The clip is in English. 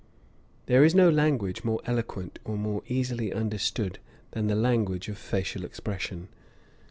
There is no language more eloquent or more easily understood than the language of facial expression.